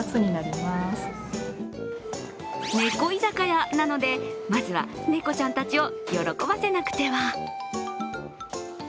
猫居酒屋なので、まずは猫ちゃんたちを喜ばせなくては。